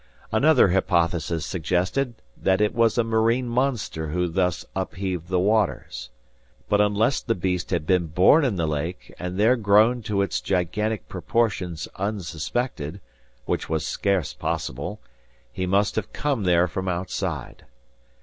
"Another hypothesis suggested that it was a marine monster who thus upheaved the waters. But unless the beast had been born in the lake and had there grown to its gigantic proportions unsuspected, which was scarce possible, he must have come there from outside.